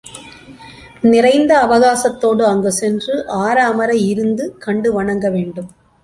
நிறைந்த அவகாசத் தோடு அங்கு சென்று, ஆர அமர இருந்து கண்டு வணங்க வேண்டும்.